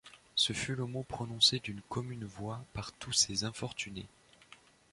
Ce fut le mot prononcé d’une commune voix par tous ces infortunés.